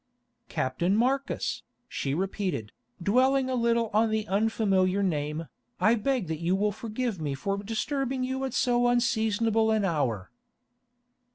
"Captain Marcus," she repeated, dwelling a little on the unfamiliar name, "I beg that you will forgive me for disturbing you at so unseasonable an hour."